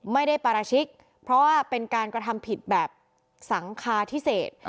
ไม่ได้ปราชิกเพราะว่าเป็นการกระทำผิดแบบสังคาพิเศษ